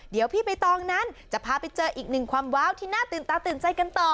เดี๋ยวพี่ใบตองนั้นจะพาไปเจออีกหนึ่งความว้าวที่น่าตื่นตาตื่นใจกันต่อ